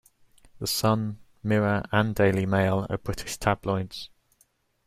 The Sun, Mirror and Daily Mail are British tabloids.